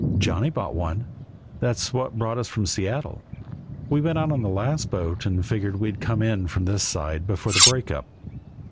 "Johnny bought one. That's what brought us from Seattle. We went out on the last boat and figured we'd come in from this side before the break up.